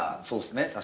そうっすね